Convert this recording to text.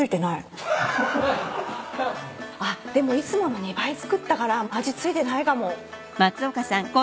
あっでもいつもの２倍作ったから味付いてないかも。